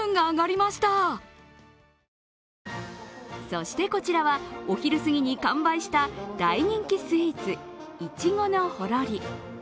そして、こちらはお昼すぎに完売した大人気スイーツ、苺のほろり。